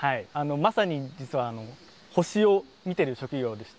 まさに実は星を見てる職業でして。